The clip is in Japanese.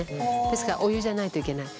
ですからお湯じゃないといけない。